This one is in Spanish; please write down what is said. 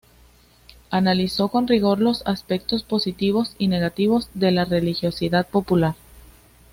Analizó con rigor los aspectos positivos y negativos de la religiosidad popular.